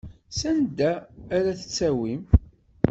Sanda ara tt-tawim?